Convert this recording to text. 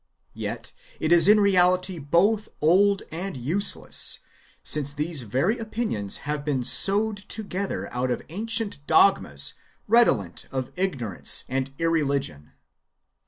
Yet it is in reality both old and useless, since these very opinions have been sewed together out of ancient dogmas redolent of ignorance and irreligion.